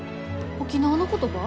沖縄の言葉？